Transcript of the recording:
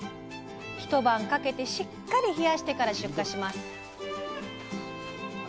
一晩かけてしっかり冷やしてから出荷します